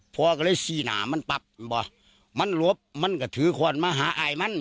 พ่อก็เลยสี่หนามันปั๊บมันหลบมันก็ถือควันมาหาอายมัน